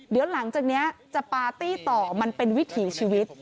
เดี๋ยวหลังจากนี้จะปาร์ตี้ต่อมันเป็นวิถีชีวิต